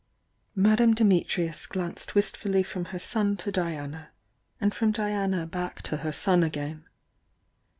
Madame Dimitrius glanced wistfully from her son to Diana, and from Diana back to her son again.